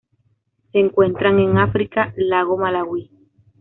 Se encuentran en África: lago Malawi.